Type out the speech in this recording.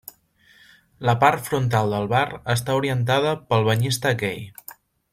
La part frontal del bar està orientada pel banyista gai.